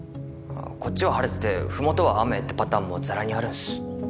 こっちは晴れてて麓は雨ってパターンもざらにあるんす。